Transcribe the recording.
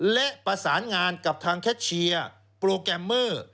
และประสานงานกับทางแคชเชียร์โปรแกรมเมอร์